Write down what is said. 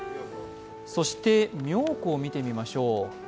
そして妙高を見てみましょう。